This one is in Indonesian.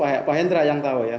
pak hendra yang tahu ya